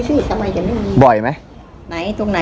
เออมีสิทำไมจะไม่มี